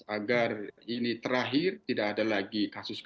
agar ini terakhir tidak ada lagi kasus